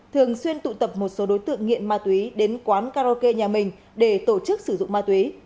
thường xuyên tụ tập một số đối tượng nghiện ma túy đến quán karaoke nhà mình để tổ chức sử dụng ma túy